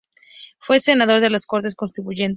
Fue senador en las Cortes Constituyentes.